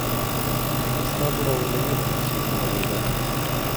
ئێستا بڕۆ و لەبیرم دەچێت ئەمە ڕووی دا.